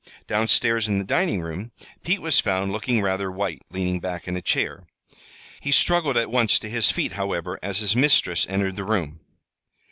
Down stairs in the dining room Pete was found looking rather white, leaning back in a chair. He struggled at once to his feet, however, as his mistress entered the room.